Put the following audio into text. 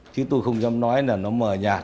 chứ tôi không dám nói là nó mờ nhạt